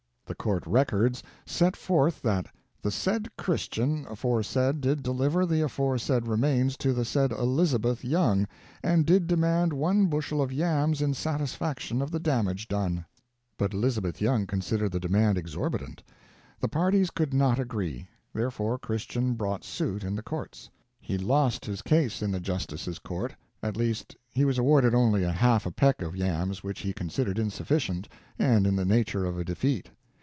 The court records set forth that "the said Christian aforesaid did deliver the aforesaid remains to the said Elizabeth Young, and did demand one bushel of yams in satisfaction of the damage done." But Elizabeth Young considered the demand exorbitant; the parties could not agree; therefore Christian brought suit in the courts. He lost his case in the justice's court; at least, he was awarded only a half peck of yams, which he considered insufficient, and in the nature of a defeat.